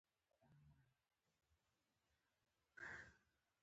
زه د ځان اصلاح ته لومړیتوب ورکوم.